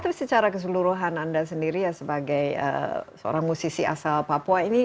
tapi secara keseluruhan anda sendiri ya sebagai seorang musisi asal papua ini